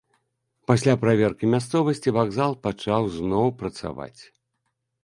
Пасля праверкі мясцовасці вакзал пачаў зноў працаваць.